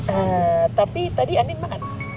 eeeh tapi tadi andien makan